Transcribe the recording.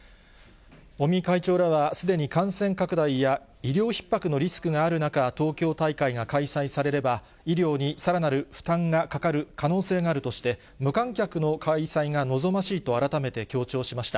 尾身会長らは、すでに感染拡大や医療ひっ迫のリスクがある中、東京大会が開催されれば、医療にさらなる負担がかかる可能性があるとして、無観客の開催が望ましいと改めて強調しました。